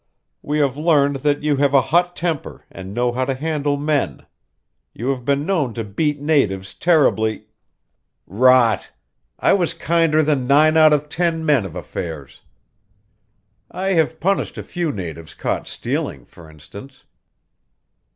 We have learned that you have a hot temper and know how to handle men. You have been known to beat natives terribly " "Rot! I was kinder than nine out of ten men of affairs. I have punished a few natives caught stealing, for instance."